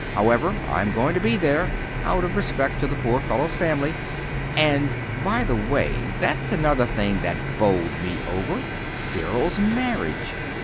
However, I'm going to be there out of respect to the poor fellow's family. And, by the way, that's another thing that bowled me over Cyril's marriage.